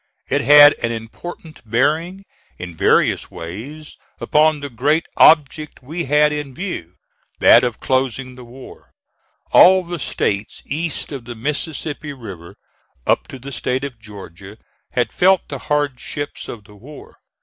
It had an important bearing, in various ways, upon the great object we had in view, that of closing the war. All the States east of the Mississippi River up to the State of Georgia, had felt the hardships of the war.